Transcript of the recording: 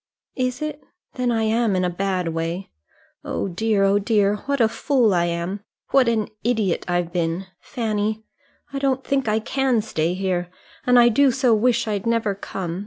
"Is it? Then I am in a bad way. Oh dear, oh dear, what a fool I am! What an idiot I've been! Fanny, I don't think I can stay here; and I do so wish I'd never come.